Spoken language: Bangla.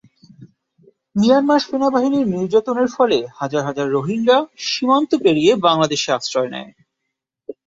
মিয়ানমার সেনাবাহিনীর নির্যাতনের ফলে হাজার হাজার রোহিঙ্গা সীমান্ত পেরিয়ে বাংলাদেশে আশ্রয় নেয়।